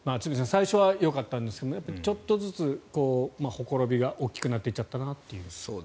最初はよかったんですがちょっとずつ、ほころびが大きくなっていっちゃったかなという。